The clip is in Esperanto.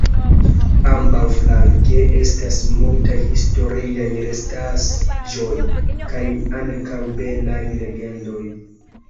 Ambaǔflanke estas multaj historiaj restasĵoj kaj ankaǔ belaj legendoj.